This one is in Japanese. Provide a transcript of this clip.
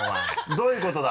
どういうことだ？